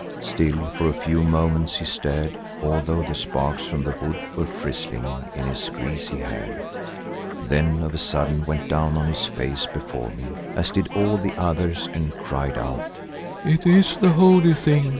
Still for a few moments he stared although the sparks from the wood were frizzling in his greasy hair, then of a sudden went down on his face before me, as did all the others and cried out, "It is the Holy Thing!